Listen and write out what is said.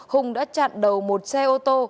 hùng đã chặn đầu một xe ô tô